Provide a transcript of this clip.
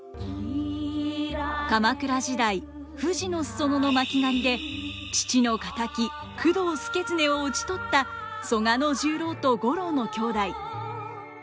鎌倉時代富士の裾野の巻狩で父の敵工藤祐経を討ち取った曽我十郎と五郎の兄弟。